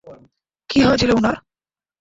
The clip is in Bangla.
কী হয়েছিল ওনার?